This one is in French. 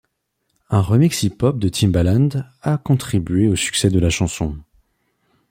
Un remix hip-hop de Timbaland a contribué au succès de la chanson.